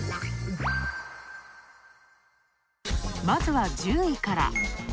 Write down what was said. まずは１０位から。